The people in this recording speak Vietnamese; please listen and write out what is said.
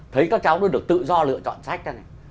thấy các cháu đó được tự do lựa chọn sách ra này